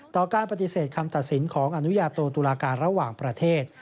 ต่อการปฏิเสธคำตัดสินของอนุญาโตตุลาการระหว่างประเทศ